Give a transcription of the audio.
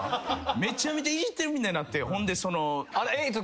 めちゃめちゃいじってるみたいになってほんで。